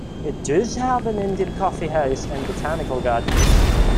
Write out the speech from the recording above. It does have an Indian Coffee House and Botanical Gardens.